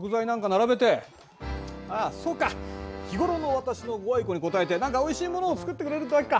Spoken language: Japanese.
あそうか日頃の私のご愛顧に応えて何かおいしいものを作ってくれるってわけか。